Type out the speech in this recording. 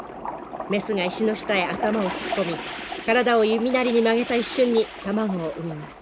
メスが石の下へ頭を突っ込み体を弓なりに曲げた一瞬に卵を産みます。